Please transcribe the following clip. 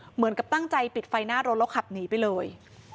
เหมือนกับตั้งใจปิดไฟหน้ารถแล้วขับหนีไปเลย